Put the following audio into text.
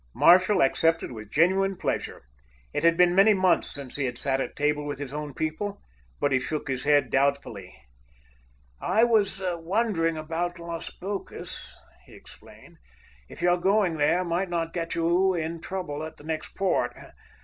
Marshall accepted with genuine pleasure. It had been many months since he had sat at table with his own people. But he shook his head doubtfully. "I was wondering about Las Bocas," he explained, "if your going there might not get you in trouble at the next port.